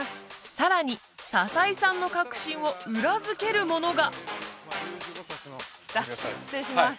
さらに佐々井さんの確信を裏付けるものが失礼します